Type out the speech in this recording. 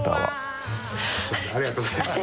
ありがとうございます。